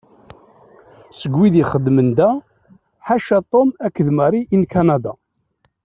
Seg wid ixeddmen da, ḥaca Tom akked Mary i n Kanada.